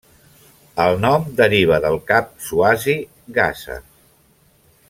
El nom deriva del cap swazi Gaza.